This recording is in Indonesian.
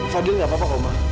fadil gak apa apa oma